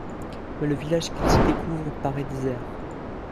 Mais le village qu'ils y découvrent paraît désert.